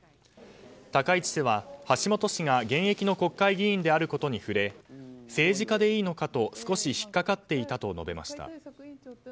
高市氏は橋本氏が現役の国会議員であることに触れ政治家でいいのかと少し引っかかっていたと述べました。